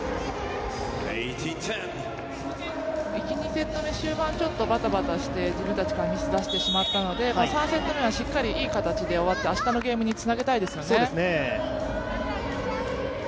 １、２セット目、終盤バタバタして自分たちからミスを出してしまったのでこの３セット目はしっかりいい形で終わって明日のゲームにつなげたいですよね。